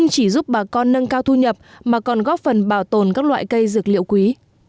chỉ giúp bà con nâng cao thu nhập mà còn góp phần bảo tồn các loại cây dược liệu quý